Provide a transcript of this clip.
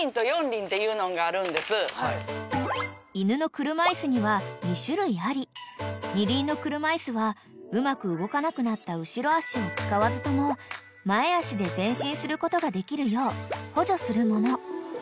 ［犬の車椅子には２種類あり二輪の車椅子はうまく動かなくなった後ろ脚を使わずとも前脚で前進することができるよう補助するもの］